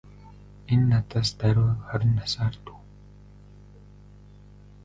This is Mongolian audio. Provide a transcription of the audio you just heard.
Энэ надаас даруй хорин насаар дүү.